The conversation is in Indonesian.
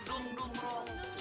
dung dung rog